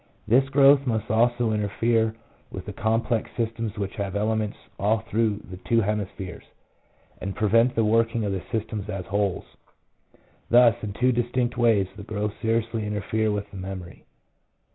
This growth must also interfere with the complex systems which have elements all through the two hemispheres, and prevent the working of the systems as wholes. Thus in two distinct ways the growths seriously interfere with the memory.